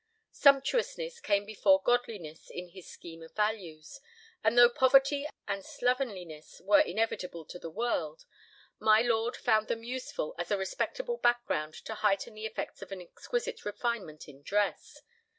Sumptuousness came before godliness in his scheme of values, and though poverty and slovenliness were inevitable to the world, my lord found them useful as a respectable background to heighten the effect of an exquisite refinement in dress.